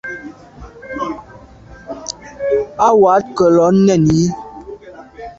À wat nkelo nèn yi.